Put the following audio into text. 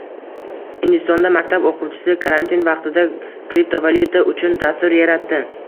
Hindistonda maktab o‘quvchisi karantin vaqtida kriptovalyuta uchun dastur yaratdi